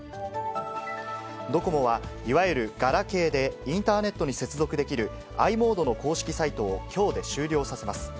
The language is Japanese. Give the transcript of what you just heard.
ドコモは、いわゆるガラケーでインターネットに接続できるｉモードの公式サイトを、きょうで終了させます。